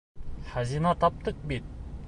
Хазина таптыҡ бит!